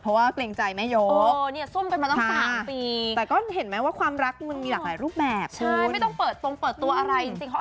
เพราะว่าเหลือเกรงใจไม่ยก